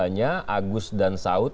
keduanya agus dan saud